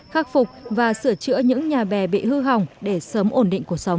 khắc phục và sửa chữa những nhà bè bị hư hỏng để sớm ổn định cuộc sống